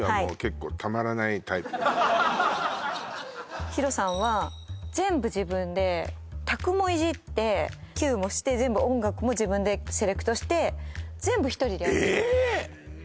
あのヒロさんは全部自分で卓もいじってキューもして全部音楽も自分でセレクトして全部一人でやってるえ！